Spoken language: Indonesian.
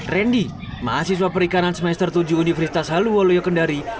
randy mahasiswa perikanan semester tujuh universitas haluo leo kendari